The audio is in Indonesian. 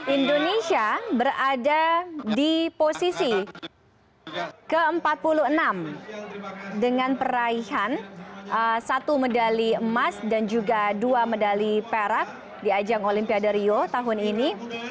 indonesia berada di posisi ke empat puluh enam dengan peraihan satu medali emas dan juga dua medali perak di ajang olimpiade rio tahun ini